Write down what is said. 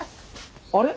あれ？